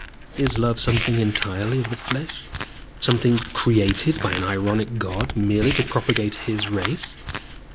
Is love something entirely of the flesh, something created by an ironic God merely to propagate His race?